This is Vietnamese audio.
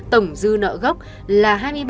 tổng dư nợ gốc là